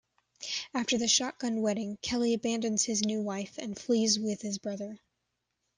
After the shotgun wedding, Kelly abandons his new wife and flees with his brother.